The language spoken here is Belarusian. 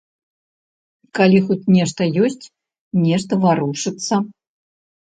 Калі хоць нешта ёсць, нешта варушыцца.